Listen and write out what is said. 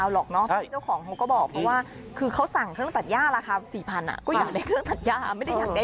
อันนี้ต้องเข้าใจอะไรผิดสักอย่าง